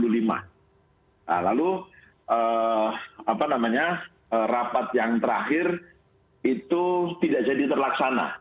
nah lalu rapat yang terakhir itu tidak jadi terlaksana